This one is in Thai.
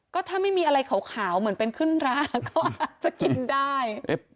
ก็ถ้าไม่มีอะไรขาวเหมือนเป็นขึ้นราก็จะกินได้